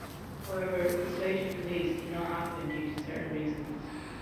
However the slated release did not happen due to certain reasons.